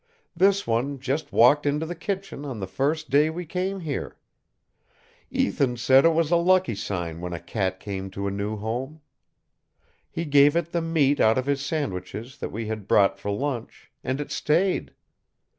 This one just walked into the kitchen on the first day we came here. Ethan said it was a lucky sign when a cat came to a new home. He gave it the meat out of his sandwiches that we had brought for lunch, and it stayed.